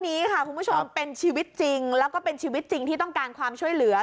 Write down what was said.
นี้ค่ะคุณผู้ชมเป็นชีวิตจริงแล้วก็เป็นชีวิตจริงที่ต้องการความช่วยเหลือ